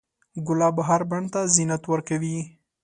ګلاب هر بڼ ته زینت ورکوي.